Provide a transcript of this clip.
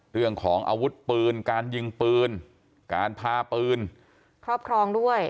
เรื่องของอาวุธปืนการยิงปืนการพาปืนครอบครองด้วย